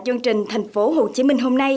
chương trình thành phố hồ chí minh hôm nay